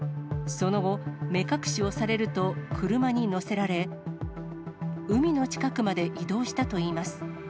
その後、目隠しをされると車に乗せられ、海の近くまで移動したといいます。